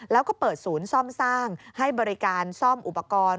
แล้วก็เปิดศูนย์ซ่อมสร้างให้บริการซ่อมอุปกรณ์